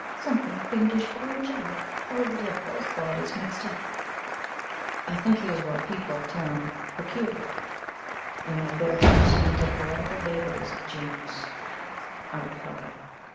"Something fiendish or angelic, or a little of both qualities mixed up?" "I think he is what people term PECULIAR, when they fail to understand the poetical vagaries of genius," I replied.